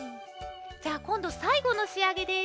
じゃあこんどさいごのしあげです。